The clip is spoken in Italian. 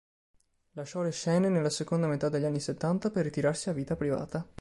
Lasciò le scene nella seconda metà degli anni settanta per ritirarsi a vita privata.